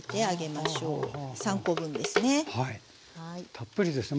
たっぷりですね。